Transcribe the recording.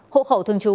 hộ khẩu thường trú